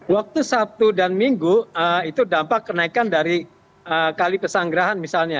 waktu sabtu dan minggu itu dampak kenaikan dari kali pesanggerahan misalnya